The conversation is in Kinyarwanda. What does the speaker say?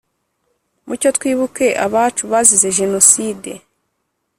mucyo twibuke abacu bazize jenoside